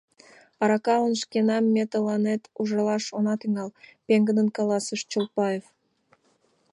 — Аракалан шкенам ме тыланет ужалаш она тӱҥал! — пеҥгыдын каласыш Чолпаев.